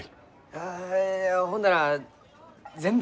あほんなら全部。